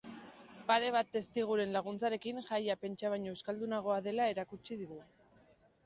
Pare bat testiguren laguntzarekin, jaia pentsa baino euskaldunagoa dela erakutsi digu.